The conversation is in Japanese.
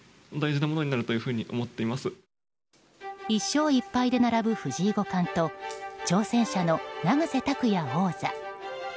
１勝１敗で並ぶ藤井五冠と挑戦者の永瀬拓矢王座。